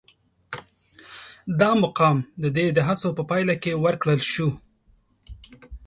دا مقام د ده د هڅو په پایله کې ورکړل شو.